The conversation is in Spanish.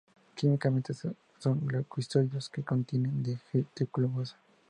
Químicamente son glucósidos que contienen J-D-Tioglucosa.